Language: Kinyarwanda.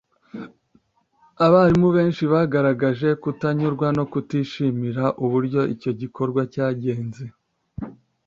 abarimu benshi bagaragaje kutanyurwa no kutishimira uburyo icyo gikorwa cyagenze